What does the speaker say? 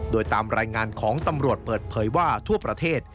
โดยตามรายงานของตำรวจเปิดเผยว่าทั่วประเทศ